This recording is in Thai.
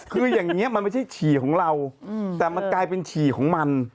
คืออย่างนี้มันไม่ใช่ฉี่ของเราแต่มันกลายเป็นฉี่ของมัน